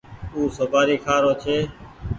او سوپآري کآ رو ڇي ۔